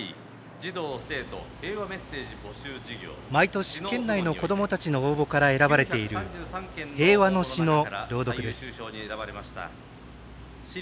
毎年、県内の子どもたちの応募から選ばれている平和の詩の朗読です。